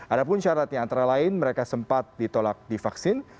ada pun syaratnya antara lain mereka sempat ditolak divaksin